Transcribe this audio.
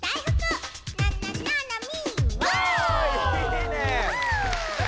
いいね！